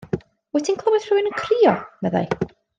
Wyt ti'n clywed rhywun yn crio, meddai.